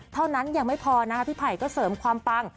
เท่านั้นยังไม่พอนะคะพี่ไผ่ก็เสริมความปัง